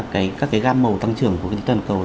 các gam màu tăng trưởng của tổng cầu